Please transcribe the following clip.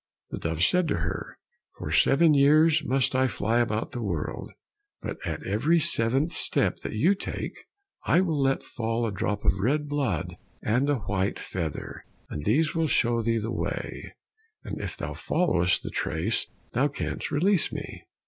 The dove said to her, "For seven years must I fly about the world, but at every seventh step that you take I will let fall a drop of red blood and a white feather, and these will show thee the way, and if thou followest the trace thou canst release me."